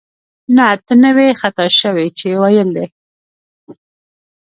نه، ته نه وې خطا شوې چې ویل دې